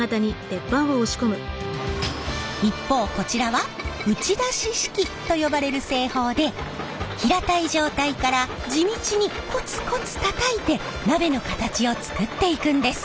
一方こちらは打ち出し式と呼ばれる製法で平たい状態から地道にこつこつたたいて鍋の形を作っていくんです。